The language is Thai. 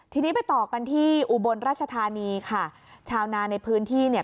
ทีนี้ไปต่อกันที่อุบลราชธานีค่ะชาวนาในพื้นที่เนี่ย